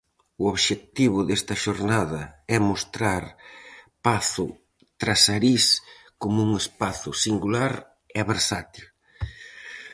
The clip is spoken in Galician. O obxectivo desta xornada é mostrar pazo trasariz como un espazo singular e versátil.